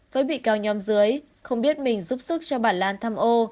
với bị cáo nhóm dưới không biết mình giúp sức cho bảy lan thăm ô